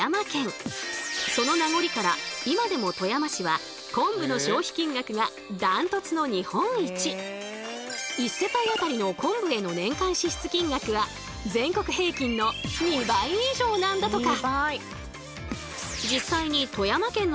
その名残から今でも１世帯当たりの昆布への年間支出金額は全国平均の２倍以上なんだとか。